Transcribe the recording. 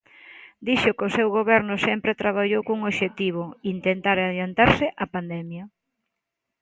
Dixo que o seu Goberno sempre traballou cun obxectivo: intentar adiantarse á pandemia.